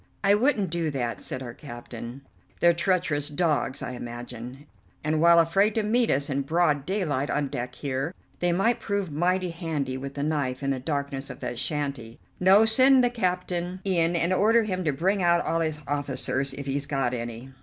"I wouldn't do that," said our captain, "they're treacherous dogs, I imagine, and, while afraid to meet us in broad daylight on deck here, they might prove mighty handy with the knife in the darkness of that shanty. No, send the captain in and order him to bring out all his officers, if he's got any."